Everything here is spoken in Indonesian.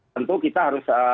tentu kita harus